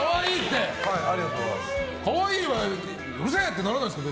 可愛いにうるせえってならないですか？